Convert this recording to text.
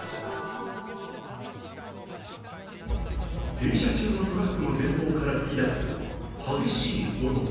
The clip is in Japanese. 停車中のトラックの前方から噴き出す激しい炎。